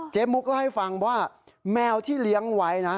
เจมมุกก็ให้ฟังว่าแมวที่เลี้ยงไว้นะ